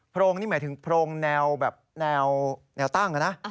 โพรงนี่หมายถึงโพรงแนวตั้ง